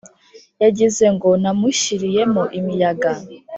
yagize ngo namushyiriyemo imiyaga